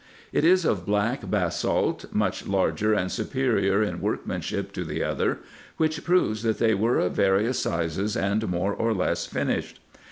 It is of black basalt, much larger and superior in workmanship to the other, which proves, that they were of various sizes, and more or less finished.